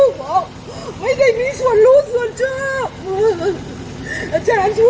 เขาทำเอกสารดูเขายังไม่เสร็จ